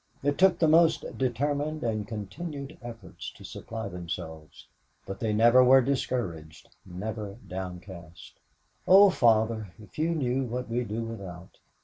It took the most determined and continued efforts to supply themselves, but they never were discouraged, never downcast. "Oh, Father, if you knew what we do without.